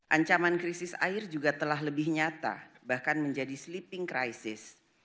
ancaman krisis air juga telah lebih nyata bahkan menjadi sleeping crisis